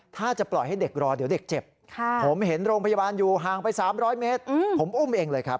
ถ้าจะปล่อยให้เด็กรอเดี๋ยวเด็กเจ็บผมเห็นโรงพยาบาลอยู่ห่างไป๓๐๐เมตรผมอุ้มเองเลยครับ